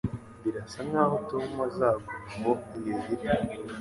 Birasa nkaho Tom azagumaho igihe gito.